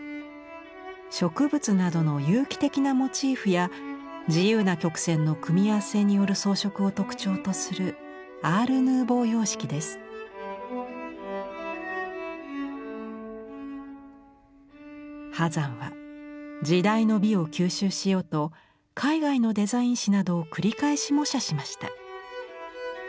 植物などの有機的なモチーフや自由な曲線の組み合わせによる装飾を特徴とする波山は時代の美を吸収しようと海外のデザイン誌などを繰り返し模写しました。